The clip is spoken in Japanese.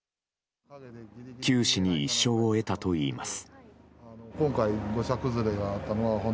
九死に一生を得たといいます。